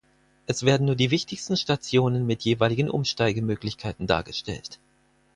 Es werden nur die wichtigsten Stationen mit jeweiligen Umsteigemöglichkeiten dargestellt.